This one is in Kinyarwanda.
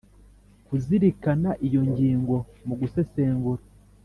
kuzirikana iyo ngingo mu gusesengura